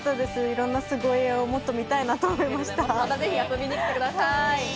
いろんな凄家をもっと見たいなと思いました。